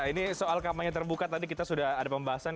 ini soal kampanye terbuka tadi kita sudah ada pembahasan